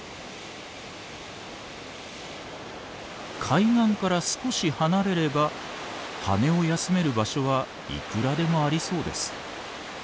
海岸から少し離れれば羽を休める場所はいくらでもありそうです。